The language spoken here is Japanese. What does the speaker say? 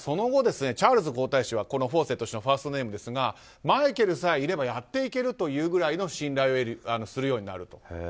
チャールズ皇太子はフォーセット氏のファーストネームですがマイケルさえいればやっていけるというぐらいの信頼をするようになる。